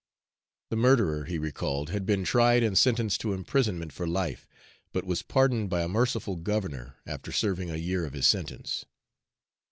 The murderer, he recalled, had been tried and sentenced to imprisonment for life, but was pardoned by a merciful governor after serving a year of his sentence.